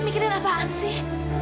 bibi mikirin apaan sih